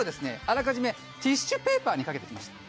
あらかじめティッシュペーパーにかけてきました